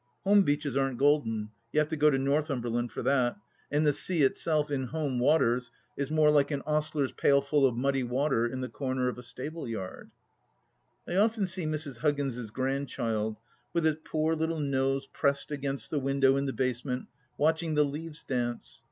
Home beaches aren't golden, you have to go to Northumberland for that ; and the sea itself, in Home Waters, is more like an ostler's pailful of muddy water in the corner of a stable yard. I often see Mrs. Huggins' grandchild, with its poor little nose pressed against the window in the basement, watching the leaves dance.